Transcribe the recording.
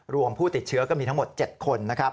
ผู้ติดเชื้อก็มีทั้งหมด๗คนนะครับ